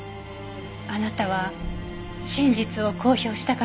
あなたは真実を公表したかったんですか？